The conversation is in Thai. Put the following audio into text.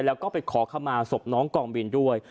แล้วก็ไปขอขมาศพน้องกองบินด้วย